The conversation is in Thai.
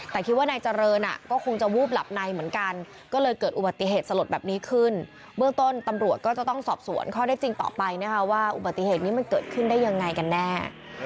แต่คิดว่านายเจริญก็คงจะวูบหลับในเหมือนกันก็เลยเกิดอุบัติเหตุสลดแบบนี้ขึ้นเบื้องต้นตำรวจก็จะต้องสอบสวนข้อได้จริงต่อไปนะคะว่าอุบัติเหตุนี้มันเกิดขึ้นได้ยังไงกันแน่